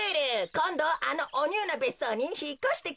こんどあのおニューなべっそうにひっこしてきました。